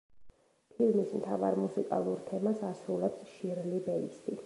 ფილმის მთავარ მუსიკალურ თემას ასრულებს შირლი ბეისი.